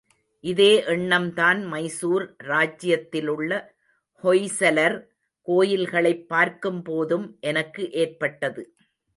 இதே எண்ணம்தான் மைசூர் ராஜ்யத்திலுள்ள ஹொய்சலர் கோயில்களைப் பார்க்கும்போதும் எனக்கு ஏற்பட்டது.